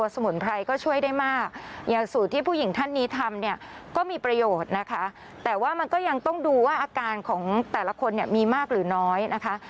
สมุนไพรก็ช่วยได้มากอย่างสูตรที่ผู้หญิงท่านนี้ทำเนี่ยก็มีประโยชน์นะคะแต่ว่ามันก็ยังต้องดูว่าอาการของแต่ละคนเนี่ยมีมากหรือน้อยนะคะ